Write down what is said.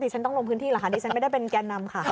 ฉันต้องลงพื้นที่เหรอคะดิฉันไม่ได้เป็นแก่นำค่ะ